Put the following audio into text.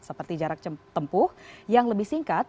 seperti jarak tempuh yang lebih singkat